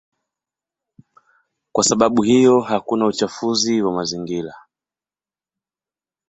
Kwa sababu hiyo hakuna uchafuzi wa mazingira.